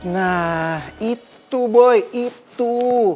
nah itu boy itu